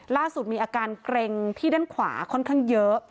ล่าสุดมีอาการเกร็งที่ด้านขวาค่อนข้างเยอะ